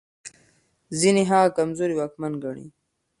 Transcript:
ځينې هغه کمزوری واکمن ګڼي.